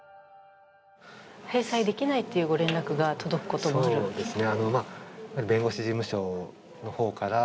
返済できないというご連絡が届くこともあるんですか。